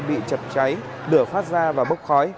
bị chật cháy lửa phát ra và bốc khói